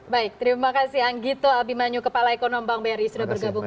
baik terima kasih anggita albi manyu kepala ekonomi bank bri sudah bergabung bersama kami